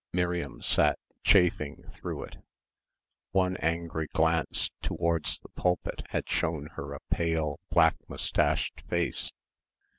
Miriam sat, chafing, through it. One angry glance towards the pulpit had shown her a pale, black moustached face.